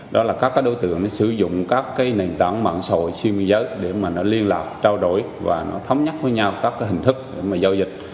đó là các đối tượng sử dụng các nền tảng mạng sồi siêu miên giới để liên lạc trao đổi và thống nhắc với nhau các hình thức giao dịch